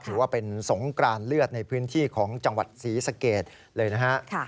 ถือว่าเป็นสงกรานเลือดในพื้นที่ของจังหวัดศรีสะเกดเลยนะฮะ